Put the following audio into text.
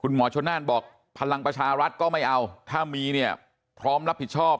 หมอชนน่านบอกพลังประชารัฐก็ไม่เอาถ้ามีเนี่ยพร้อมรับผิดชอบ